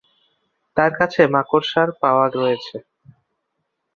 তার কাছে মাকড়সার পাওয়ার রয়েছে।